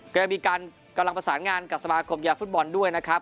ก็ยังมีการกำลังประสานงานกับสมาคมกีฬาฟุตบอลด้วยนะครับ